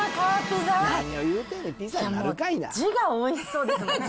もう、字がおいしそうですもん。